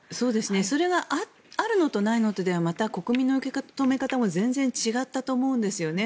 それがあるのとないのとでは国民の受け止め方も全然違ったと思うんですよね。